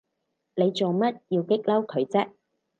你做乜要激嬲佢啫？